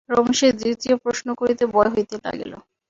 রমেশের দ্বিতীয় প্রশ্ন করিতে ভয় হইতে লাগিল।